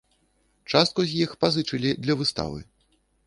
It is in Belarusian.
Частку з іх пазычылі для выставы.